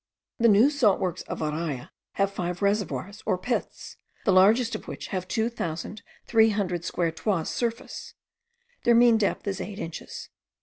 The new salt works of Araya have five reservoirs, or pits, the largest of which have two thousand three hundred square toises surface. Their mean depth is eight inches.